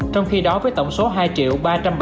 trong khi đó với tổng số hai vụ